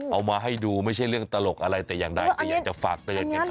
เอามาให้ดูไม่ใช่เรื่องตลกอะไรแต่อย่างใดแต่อยากจะฝากเตือนกัน